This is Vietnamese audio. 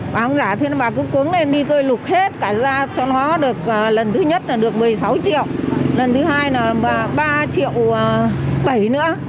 bà không giả thì bà cứ cướng lên đi tôi lục hết cả ra cho nó được lần thứ nhất là được một mươi sáu triệu lần thứ hai là ba triệu bảy nữa